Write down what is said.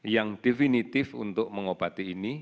yang definitif untuk mengobati ini